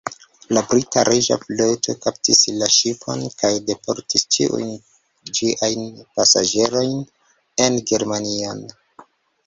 La brita Reĝa Floto kaptis la ŝipon, kaj deportis ĉiujn ĝiajn pasaĝerojn en Germanion.